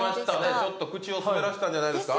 ちょっと口を滑らしたんじゃないですか？